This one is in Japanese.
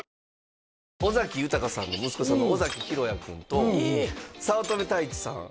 尾崎豊さんの息子さんの尾崎裕哉君と早乙女太一さん